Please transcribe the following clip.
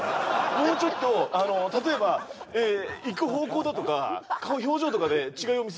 もうちょっとあの例えばええ行く方向だとか顔表情とかで違いを見せたいんだよね